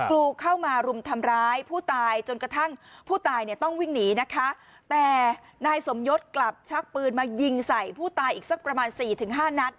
กรูเข้ามารุมทำร้ายผู้ตายจนกระทั่งผู้ตายเนี่ยต้องวิ่งหนีนะคะแต่นายสมยศกลับชักปืนมายิงใส่ผู้ตายอีกสักประมาณสี่ถึงห้านัด